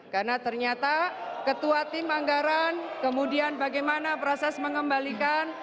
karena ternyata ketua tim anggaran kemudian bagaimana proses mengembalikan